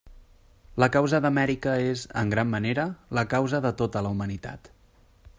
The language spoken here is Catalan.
La causa d'Amèrica és, en gran manera, la causa de tota la humanitat.